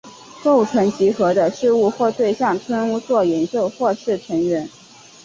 构成集合的事物或对象称作元素或是成员。